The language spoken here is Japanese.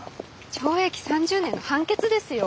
懲役３０年の判決ですよ。